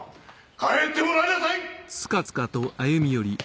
帰ってもらいなさい！